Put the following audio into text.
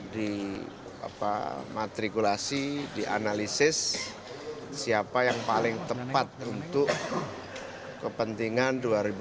dimatrikulasi dianalisis siapa yang paling tepat untuk kepentingan dua ribu sembilan belas dua ribu dua puluh empat